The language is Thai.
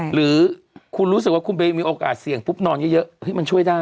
หรือคุณรู้สึกว่าคุณไปมีโอกาสเสี่ยงปุ๊บนอนเยอะมันช่วยได้